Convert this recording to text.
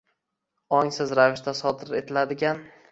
ongsiz ravishda sodir etiladigan